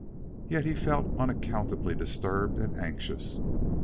Yet he felt unaccountably disturbed and anxious.